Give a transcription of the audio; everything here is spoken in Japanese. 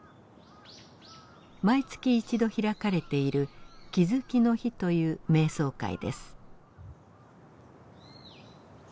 毎月１度開かれている「気づきの日」という瞑想会です。